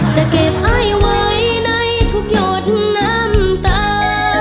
จะเก็บไอไว้ในทุกหยดน้ำตา